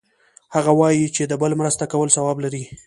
هغه وایي چې د بل مرسته کول ثواب لری